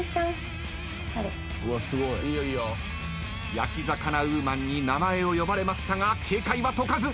焼き魚ウーマンに名前を呼ばれましたが警戒は解かず。